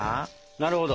なるほど。